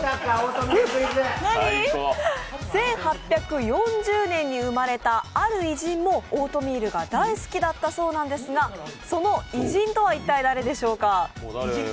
１８４０年に生まれたある偉人もオートミールが大好きだったそうなんですが、その偉人とは一体誰でしょうか？